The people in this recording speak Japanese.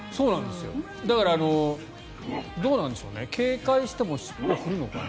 だからどうなんでしょう警戒しても尻尾は振るのかな。